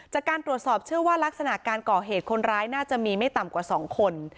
จากการตรวจสอบเชื่อว่ารักษณะการก่อเหตุคนร้ายน่าจะมีไม่ต่ำกว่า๒คน